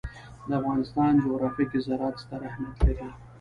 د افغانستان جغرافیه کې زراعت ستر اهمیت لري.